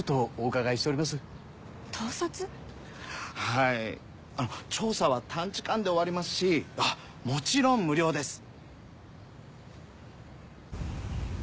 はいあの調査は短時間で終わりますしあっもちろん無料です。